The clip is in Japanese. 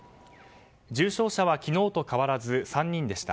重症者は昨日と変わらず３人でした。